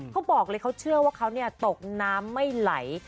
เขาบอกเลยเขาเชื่อว่าเขาตกน้ำไม่ไหล